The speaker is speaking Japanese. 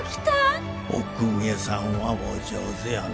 お公家さんはお上手やなぁ。